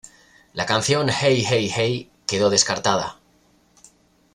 La canción "Hey, hey, hey" quedó descartada.